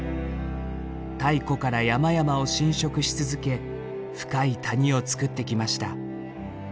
太古から山々を浸食し続け深い谷をつくってきました。